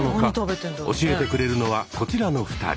教えてくれるのはこちらの２人。